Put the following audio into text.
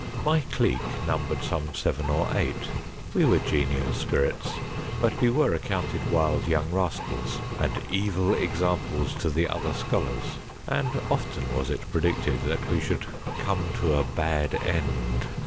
My clique numbered some seven or eight. We were genial spirits ; but were accounted wild young rascals, and evil examples to the other scholars, and often was it predicted that we should come to a bad end.